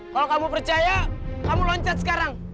kalau kamu percaya kamu loncat sekarang